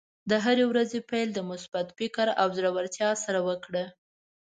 د هرې ورځې پیل د مثبت فکر او زړۀ ورتیا سره وکړه.